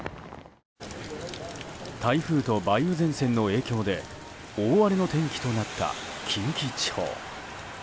台風と梅雨前線の影響で大荒れの天気となった近畿地方。